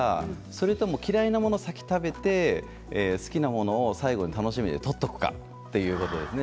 それとも嫌いなものを先に食べて好きなものを最後に、楽しみで取っておくかということですね。